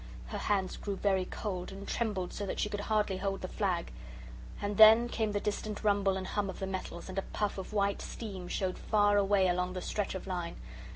Her hands grew very cold and trembled so that she could hardly hold the flag. And then came the distant rumble and hum of the metals, and a puff of white steam showed far away along the stretch of line.